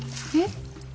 えっ？